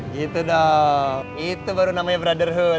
gitu dong itu baru namanya brotherhood